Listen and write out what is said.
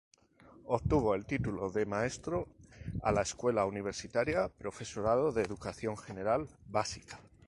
Obtuvo el título de maestro a la Escuela Universitaria, Profesorado de Educación General Básica.